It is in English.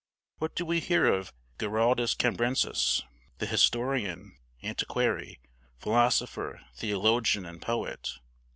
What do we hear of Giraldus Cambrensis, the historian, antiquary, philosopher, theologian, and poet?